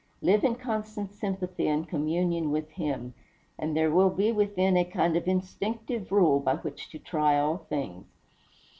live in constant sympathy and communion with him and there will be within a kind of instinctive rule by which to try all things.